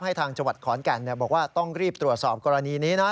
ทางจังหวัดขอนแก่นบอกว่าต้องรีบตรวจสอบกรณีนี้นะ